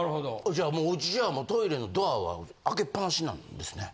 じゃおうちじゃトイレのドアは開けっ放しなんですね？